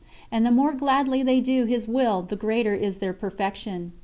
And the more gladly they do His Will the greater is their perfection.